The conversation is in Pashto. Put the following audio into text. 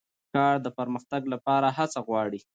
کار د پرمختګ لپاره هڅه غواړي